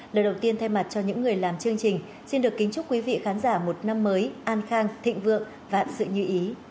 lời đầu tiên thay mặt cho những người làm chương trình xin được kính chúc quý vị khán giả một năm mới an khang thịnh vượng vạn sự như ý